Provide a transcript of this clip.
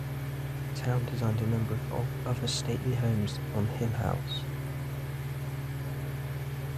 Town designed a number of other stately homes on Hillhouse.